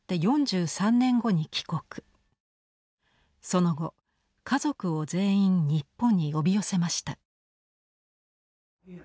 その後家族を全員日本に呼び寄せました。